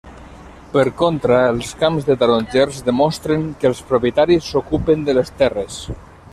Per contra, els camps de tarongers demostren que els propietaris s'ocupen de les terres.